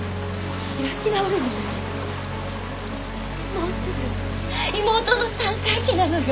もうすぐ妹の３回忌なのよ